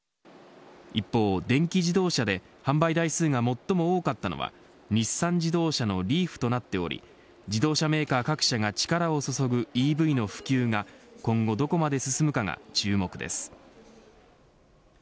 一方、電気自動車で販売台数が最も多かったのは日産自動車のリーフとなっており自動車メーカー各社が力を注ぐＥＶの普及が今後どこまで進むかが注目です。